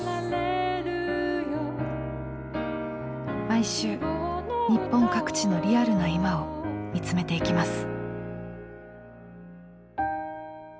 毎週日本各地のリアルな今を見つめていきます。